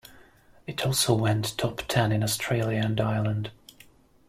It also went top ten in Australia and Ireland.